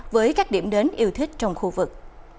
với các điểm đến yêu thích trong khu vực